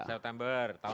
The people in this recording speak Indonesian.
september tahun depan